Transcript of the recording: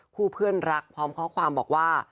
เพื่อนรักพร้อมข้อความบอกว่า